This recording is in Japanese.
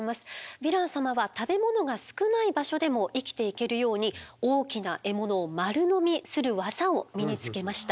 ヴィラン様は食べ物が少ない場所でも生きていけるように大きな獲物を丸のみする技を身につけました。